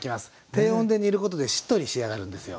低温で煮ることでしっとり仕上がるんですよ。